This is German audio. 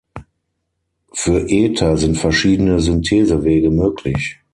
Für Ether sind verschiedene Synthesewege möglich.